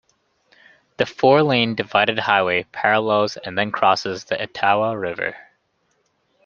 The four-lane divided highway parallels and then crosses the Etowah River.